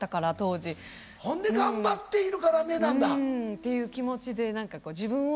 っていう気持ちで何かこう自分を。